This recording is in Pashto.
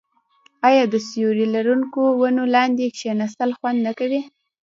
آیا د سیوري لرونکو ونو لاندې کیناستل خوند نه کوي؟